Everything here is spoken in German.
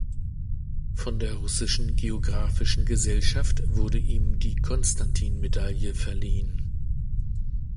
Von der Russischen Geographischen Gesellschaft wurde ihm die Konstantin-Medaille verliehen.